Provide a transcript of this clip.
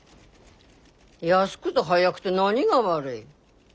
安くて早くて何が悪い。